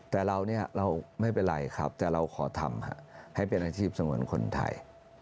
แต่เราเนี่ยเราไม่เป็นไรครับแต่เราขอทำให้เป็นอาชีพสงวนคนไทย